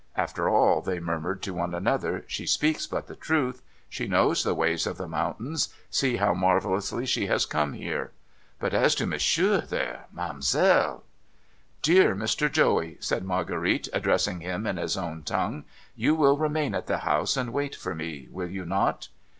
' After all,' they murmured to one another, ' she speaks but the truth. She knows the ways of the mountains. See how marvellously she has come here. But as to Monsieur there, ma'amselle ?' 554 NO THOROUGHFARE ' Dear Mr. Joey,' said Marguerite, addressing him in his own tongue, 'you will remain at the house, and wait for me; will you not?'